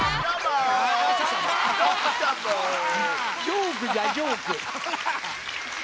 ジョークじゃジョーク。